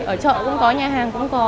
ở chợ cũng có nhà hàng cũng có